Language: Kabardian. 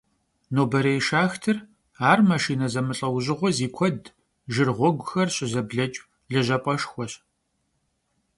Noberêy şşaxtır — ar maşşina zemılh'eujığue zi kued, jjır ğueguxer şızebleç' lejap'eşşxueş.